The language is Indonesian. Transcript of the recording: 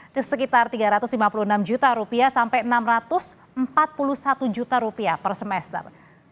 di sekitar rp tiga ratus lima puluh enam juta sampai rp enam ratus empat puluh satu juta per semester